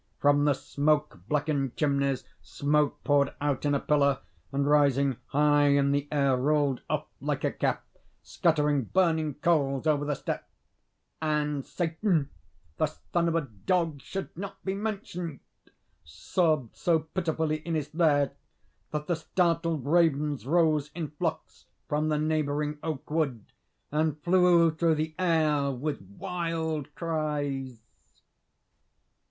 From the smoke blackened chimneys smoke poured out in a pillar, and rising high in the air, rolled off like a cap, scattering burning coals over the steppe; and Satan (the son of a dog should not be mentioned) sobbed so pitifully in his lair that the startled ravens rose in flocks from the neighbouring oak wood and flew through the air with wild cries.